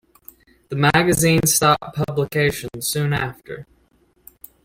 The magazine stopped publication soon after.